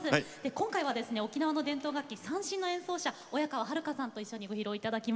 今回はですね沖縄の伝統楽器三線の演奏者親川遥さんと一緒にご披露頂きます。